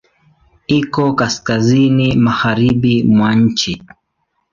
Iko kaskazini magharibi mwa nchi.